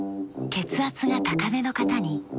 血圧が高めの方に。